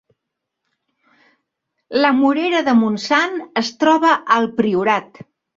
La Morera de Montsant es troba al Priorat